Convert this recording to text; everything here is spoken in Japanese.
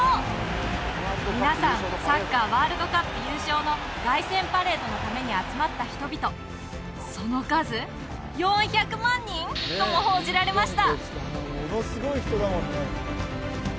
皆さんサッカーワールドカップ優勝の凱旋パレードのために集まった人々その数４００万人！？とも報じられました